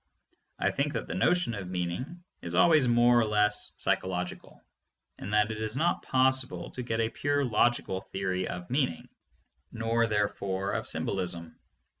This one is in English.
I think that the notion of meaning is always more or less psychological, and that it is not possible to get a pure logical theory of meaning, nor therefore of symbolism.